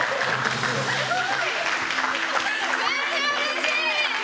めっちゃ嬉しい！